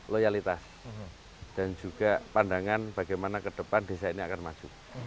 loyalitas dan juga pandangan bagaimana ke depan desa ini akan maju